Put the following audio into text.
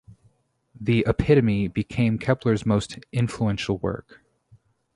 The "Epitome" became Kepler's most influential work.